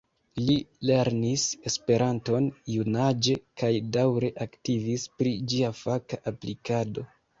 Li lernis Esperanton junaĝe kaj daŭre aktivis pri ĝia faka aplikado.